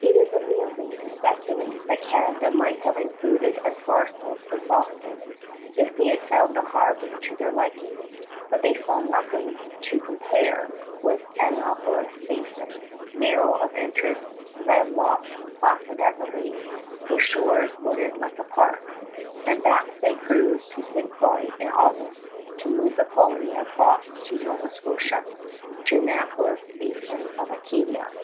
It is amusing to speculate that Canada might have included as far south as Boston, if they had found a harbor to their liking; but they saw nothing to compare with Annapolis Basin, narrow of entrance, landlocked, placid as a lake, with shores wooded like a park; and back they cruised to Ste. Croix in August, to move the colony across to Nova Scotia, to Annapolis Basin of Acadia.